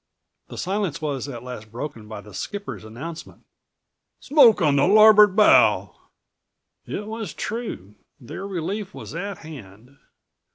The silence was at last broken by the skipper's announcement: "Smoke on the larboard bow." It was true. Their relief was at hand.